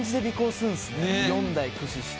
４台駆使して。